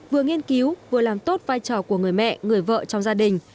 vừa nghiên cứu vừa làm tốt vai trò của người mẹ người vợ trong gia đình